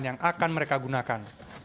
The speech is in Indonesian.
yang akan mereka gunakan